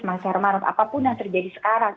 masyarakat apapun yang terjadi sekarang